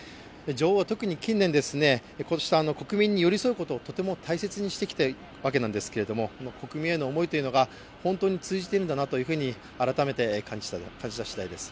女王は特に近年、こうした国民に寄り添うことをとても大切にしてきたわけなんですけれども、国民への思いが本当に通じているんだなと改めて感じたしだいです。